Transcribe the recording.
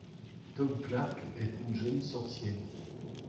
Tom Clarke est une jeune sorcier.